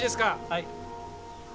はい？